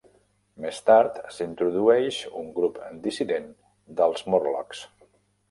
Més tard, s'introdueix un grup dissident dels Morlocks.